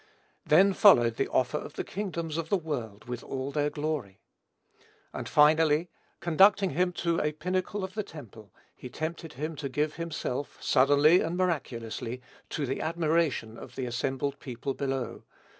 Then followed the offer of the kingdoms of the world, with all their glory. And, finally, conducting him to a pinnacle of the temple, he tempted him to give himself, suddenly and miraculously, to the admiration of the assembled people below.